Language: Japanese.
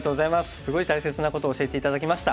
すごい大切なことを教えて頂きました。